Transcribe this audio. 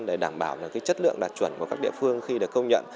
để đảm bảo chất lượng đạt chuẩn của các địa phương khi được công nhận